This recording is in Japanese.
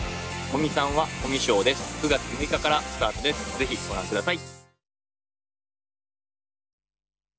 ぜひご覧下さい。